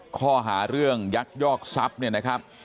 ข้อหาเรื่องยักยอกทรัพย์เนี่ยนะครับ